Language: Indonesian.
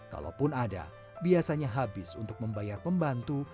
kalaupun ada biasanya habis untuk membayar pembantu